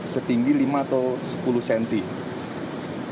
setinggi lima atau sepuluh cm